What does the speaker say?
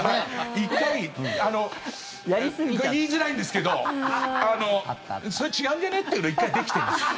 １回言いづらいんですけどそれ違うんじゃね？っていうのが１回できてるんです。